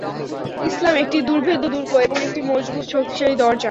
ইসলাম একটি দূর্ভেদ্য দূর্গ এবং একটি মজবুত শক্তিশালী দরজা।